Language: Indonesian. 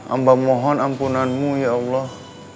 amba mohon ampunanmu ya allah